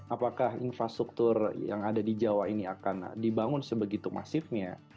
apakah infrastruktur yang ada di jawa ini akan dibangun sebegitu masifnya